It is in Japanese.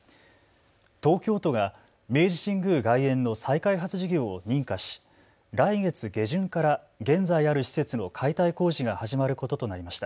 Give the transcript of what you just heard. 東京都が明治神宮外苑の再開発事業を認可し来月下旬から現在ある施設の解体工事が始まることとなりました。